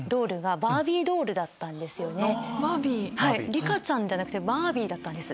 リカちゃんじゃなくてバービーだったんです。